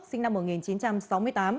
sinh năm một nghìn chín trăm sáu mươi tám